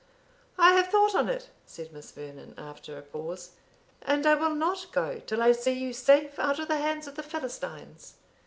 "I have thought on it," said Miss Vernon after a pause, "and I will not go till I see you safe out of the hands of the Philistines.